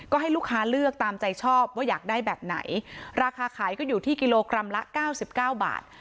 ก็ให้ลูกค้าเลือกตามใจชอบว่าอยากได้แบบไหนราคาขายก็อยู่ที่กิโลกรัมละเก้าสิบเก้าบาท